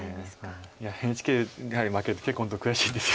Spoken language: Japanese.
いやＮＨＫ杯負けると結構本当悔しいです